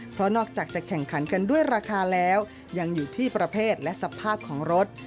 เพราะนอกจากจะแข่งขันกันด้วยราคาแล้วยังอยู่ที่ประเภทและสภาพของรถ